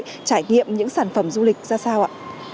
để trải nghiệm những sản phẩm du lịch ra sao ạ